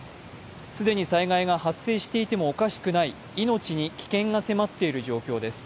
既に災害が発生していてもおかしくない命に危険が迫っている状況です。